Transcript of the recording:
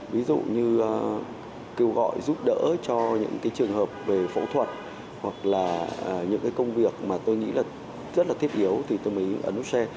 ví dụ như kêu gọi giúp đỡ cho những cái trường hợp về phẫu thuật hoặc là những cái công việc mà tôi nghĩ là rất là thiết yếu thì tôi mới ấn share